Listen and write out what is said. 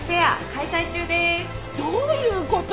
・どういうこと？